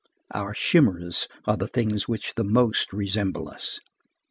Our chimæras are the things which the most resemble us.